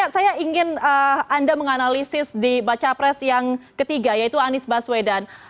saya ingin anda menganalisis di baca pres yang ketiga yaitu anies baswedan